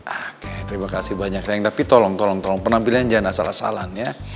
oke terima kasih banyak tank tapi tolong tolong tolong penampilan jangan asal asalan ya